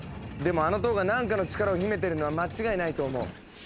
でもあの塔が何かの力を秘めてるのは間違いないと思う。